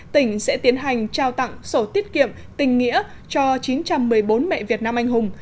tỉnh sẽ tiến hành trao tặng sổ tiết kiệm tình nghĩa cho chín trăm một mươi bốn mẹ việt nam anh hùng